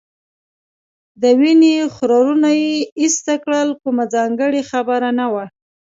د وینې خورونه ایسته کړل، کومه ځانګړې خبره نه وه.